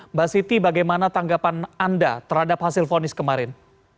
mbak siti bagaimana tanggapan anda terhadap hasil fonis kemarin